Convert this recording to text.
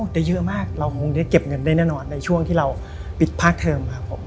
แต่เยอะมากเราก็คงได้เก็บเงินแน่นอนในช่วงที่เราปิดพาร์กเทิม